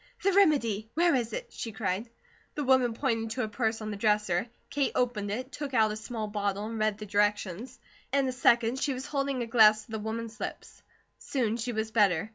"The remedy! Where is it?" she cried. The woman pointed to a purse on the dresser. Kate opened it, took out a small bottle, and read the directions. In a second, she was holding a glass to the woman's lips; soon she was better.